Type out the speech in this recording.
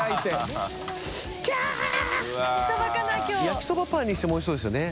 焼きそばパンにしてもおいしそうですよね